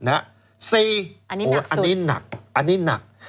๔อันนี้หนัก